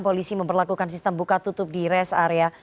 polisi memperlakukan sistem buka tutup di rest area